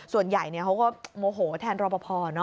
ส่วนใหญ่เขาก็โมโหแทนรอปภ